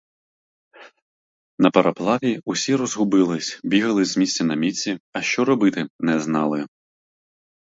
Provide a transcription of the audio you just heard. На пароплаві усі розгубились, бігали з місця на місце, а що робити, не знали.